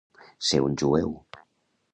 Ser un jueu.